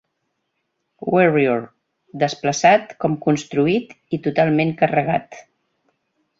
"Warrior" desplaçat com construït i totalment carregat.